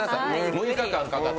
６日間かかって。